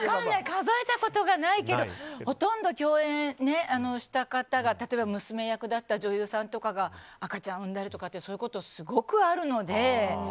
数えたことがないけどほとんど共演した方が例えば娘役だった女優さんとかが赤ちゃん産んだりとかそういうことがすごくあるので。